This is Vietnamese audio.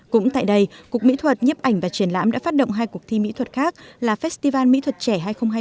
cũng tại đây cục mỹ thuật nhếp ảnh và triển lãm đã phát động hai cuộc thi mỹ thuật khác là festival mỹ thuật trẻ hai nghìn hai mươi